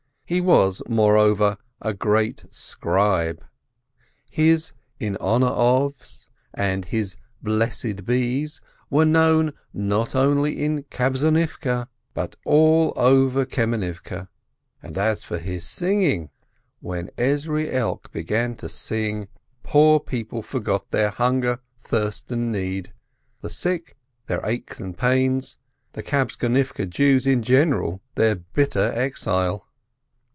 He was, moreover, a great scribe. His "in honor ofs," and his "blessed bes" were known, not only in Kabtzonivke, but all over Kamenivke, and as for his singing —! When Ezrielk began to sing, poor people forgot their hunger, thirst, and need, the sick, their aches and pains, the Kabtzonivke Jews in general, their bitter exile.